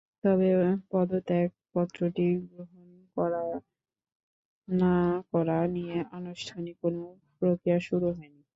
তবে পদত্যাগপত্রটি গ্রহণ করা না-করা নিয়ে আনুষ্ঠানিক কোনো প্রক্রিয়া শুরু হয়নি।